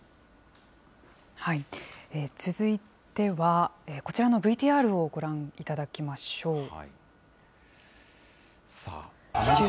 続いては、こちらのＶＴＲをご覧いただきましょう。